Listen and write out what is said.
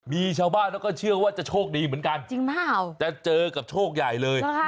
มีชาวบ้านก็เชื่อว่าช่วยดีเหมือนกันจะเจอกับโชคใหญ่เลย